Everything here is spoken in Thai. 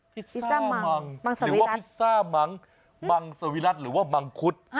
ซ่ามังหรือว่าพิซซ่ามังมังสวิรัติหรือว่ามังคุด